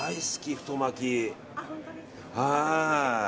太巻き。